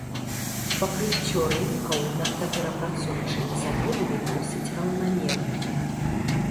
Пакрыццё рынкаў нафтаперапрацоўчымі заводамі досыць раўнамернае.